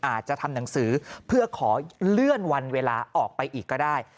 อาจจะทำหนังสือเพื่อขอเลื่อนวันเวลาออกไปอีกก็ได้